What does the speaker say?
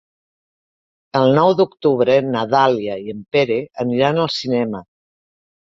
El nou d'octubre na Dàlia i en Pere aniran al cinema.